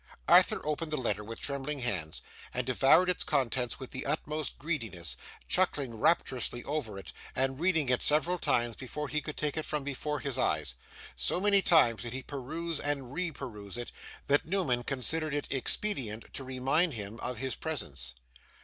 Arthur opened the letter with trembling hands, and devoured its contents with the utmost greediness; chuckling rapturously over it, and reading it several times, before he could take it from before his eyes. So many times did he peruse and re peruse it, that Newman considered it expedient to remind him of his presence.